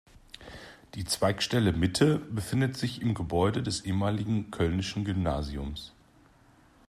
Die Zweigstelle Mitte befindet sich im Gebäude des ehemaligen Köllnischen Gymnasiums.